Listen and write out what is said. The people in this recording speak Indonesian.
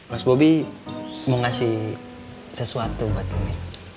mas bopi mau kasih sesuatu buat cindy